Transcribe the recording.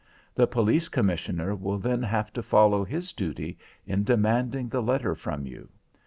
The Police Commissioner will then have to follow his duty in demanding the letter from you.